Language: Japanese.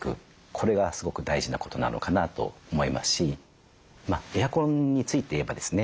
これがすごく大事なことなのかなと思いますしエアコンについて言えばですね